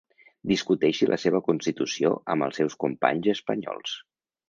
Discuteixi la seva constitució amb els seus companys espanyols.